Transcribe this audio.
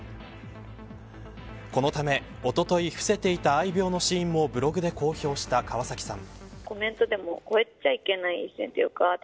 このため、おととい伏せていた愛猫の死因もブログで公表した川崎さん。